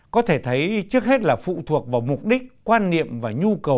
có thể thấy trước hết là phụ thuộc vào mục đích quan niệm và nhu cầu